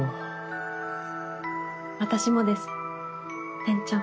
私もです店長。